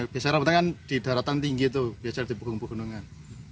biasa rambutan kan di daratan tinggi tuh biasa di pegunungan